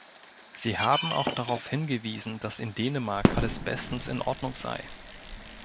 Sie haben auch darauf hingewiesen, dass in Dänemark alles bestens in Ordnung sei.